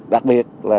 đặc biệt là